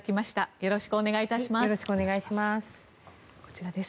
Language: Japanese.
よろしくお願いします。